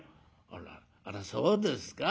「あらあらそうですか。